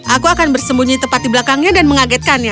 aku akan bersembunyi tepat di belakangnya dan mengagetkannya